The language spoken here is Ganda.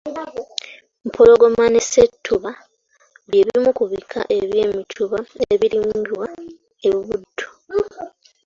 Mpologoma ne ssettuba bye bimu ku bika by'emituba ebirimibwa e Buddu